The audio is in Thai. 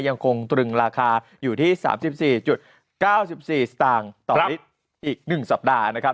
ยังคงถึงราคาอยู่ที่๓๔๙๔สตางค์ต่อฤทธิ์อีกหนึ่งสัปดาห์นะครับ